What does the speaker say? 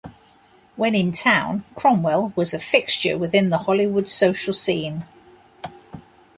When in town, Cromwell was a fixture within the Hollywood social scene.